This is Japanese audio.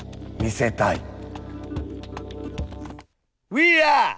ウィーアー。